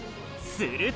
すると！